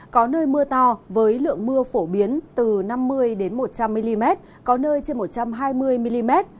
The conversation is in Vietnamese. có nơi mưa to với lượng mưa phổ biến từ năm mươi một trăm linh mm có nơi trên một trăm hai mươi mm